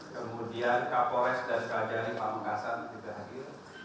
kemudian kapolres dan sekaligari pak bung kasan juga hadir